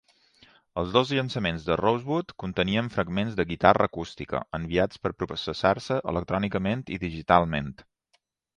Els dos llançaments de "Rosewood" contenien fragments de guitarra acústica "enviats per processar-se electrònicament i digitalment.